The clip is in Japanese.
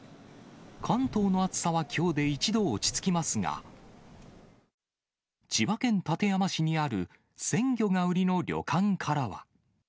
関東の暑さはきょうで一度落ち着きますが、千葉県館山市にある、鮮魚が売りの旅館からは。